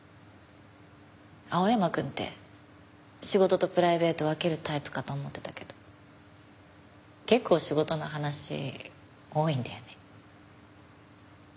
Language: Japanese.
青山くんって仕事とプライベート分けるタイプかと思ってたけど結構仕事の話多いんだよね。